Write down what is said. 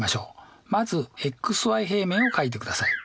まずｘｙ平面を書いてください。